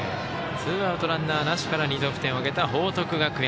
ツーアウト、ランナーなしから２得点を挙げた報徳学園。